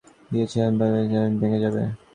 আমার বিশ্বাস ডাকাতের কবজি দিয়েছি ভেঙে।